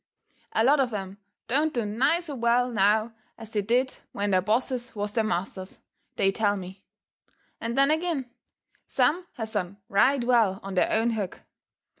A lot of 'em don't do nigh so well now as they did when their bosses was their masters, they tell me; and then agin, some has done right well on their own hook.